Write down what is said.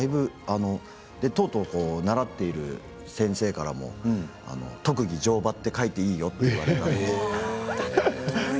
とうとう習っている先生からも特技乗馬って書いていいよって。